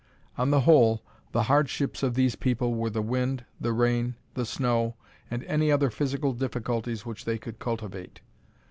On the whole, the hardships of these people were the wind, the rain, the snow, and any other physical difficulties which they could cultivate.